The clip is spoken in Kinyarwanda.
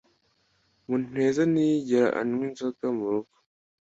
Muneza ntiyigera anywa inzoga murugo.